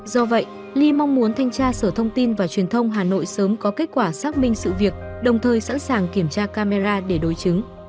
do vậy ly mong muốn thanh tra sở thông tin và truyền thông hà nội sớm có kết quả xác minh sự việc đồng thời sẵn sàng kiểm tra camera để đối chứng